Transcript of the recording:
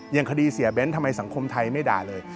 อย่างคดีเสียเบ้นทำไมสังคมไทยไม่ด่าเลย